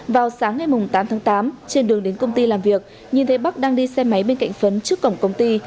vào sáng ngày tám tháng tám trên đường đến công ty làm việc nhìn thấy bắc đang đi xe máy bên cạnh phấn trước cổng công ty